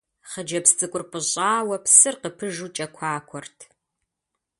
Хъыджэбз цӀыкӀур пӀыщӀауэ, псыр къыпыжу кӀэкуакуэрт.